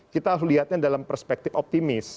kita harus lihatnya dalam perspektif optimis